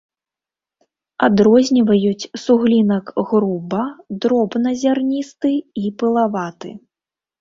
Адрозніваюць суглінак груба-, дробназярністы і пылаваты.